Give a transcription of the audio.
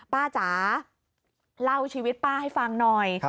จ๋าเล่าชีวิตป้าให้ฟังหน่อย